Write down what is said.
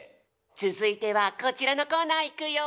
つづいてはこちらのコーナーいくよ！